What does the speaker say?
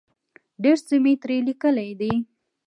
ډېر څه مې ترې لیکلي دي.